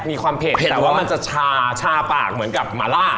มีความเผ็ดแต่ว่ามันจะชาปากเหมือนกับหมาล่า